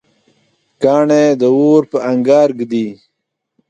کاڼی د اور په انګار ږدي.